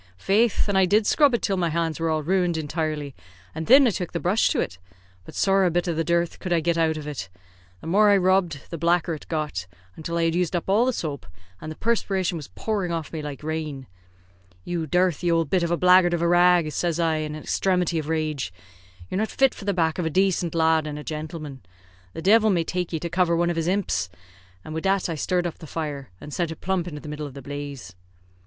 Faith, an' I did scrub it till my hands were all ruined intirely, and thin I took the brush to it; but sorra a bit of the dirth could I get out of it. The more I rubbed the blacker it got, until I had used up all the soap, and the perspiration was pouring off me like rain. 'You dirthy owld bit of a blackguard of a rag,' says I, in an exthremity of rage, 'You're not fit for the back of a dacent lad an' a jintleman. The divil may take ye to cover one of his imps;' an' wid that I sthirred up the fire, and sent it plump into the middle of the blaze."